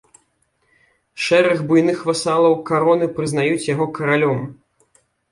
Шэраг буйных васалаў кароны прызнаюць яго каралём.